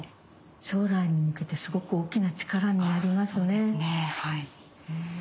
将来に向けてすごく大きな力になりますね。